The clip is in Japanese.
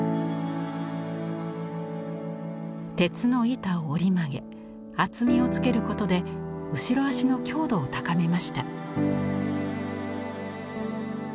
鉄の板を折り曲げ厚みをつけることで後ろ脚の強度を高めました。